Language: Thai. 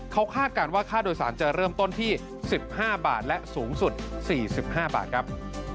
เขาคาดการณ์ว่าค่าโดยสารจะเริ่มต้นที่๑๕บาทและสูงสุด๔๕บาทครับ